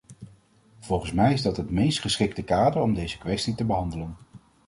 Volgens mij is dat het meest geschikte kader om deze kwestie te behandelen.